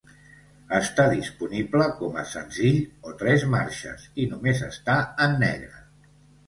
Està disponible com a senzill o tres marxes i només està en negre.